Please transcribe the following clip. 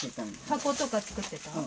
箱とか作ってたの？